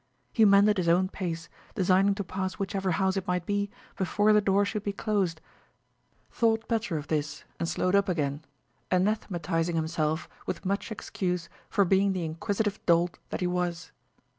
He mended his own pace, designing to pass whichever house it might be before the door should be closed; thought better of this, and slowed up again, anathematizing himself with much excuse for being the inquisitive dolt that he was.